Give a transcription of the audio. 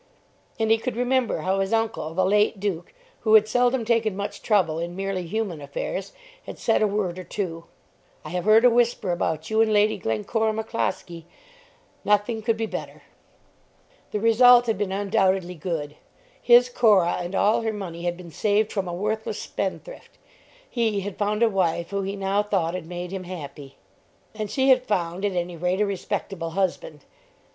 And he could remember how his uncle, the late Duke, who had seldom taken much trouble in merely human affairs, had said a word or two "I have heard a whisper about you and Lady Glencora McCloskie; nothing could be better." The result had been undoubtedly good. His Cora and all her money had been saved from a worthless spendthrift. He had found a wife who he now thought had made him happy. And she had found at any rate a respectable husband.